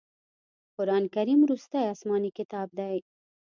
قرآن کریم وروستی اسمانې کتاب دی.